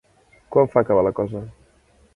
Quan fa, que va la cosa?